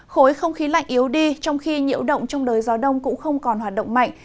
khối không khí lạnh yếu đi trong khi nhiễu động trong đời gió đông cũng không còn hoạt động mạnh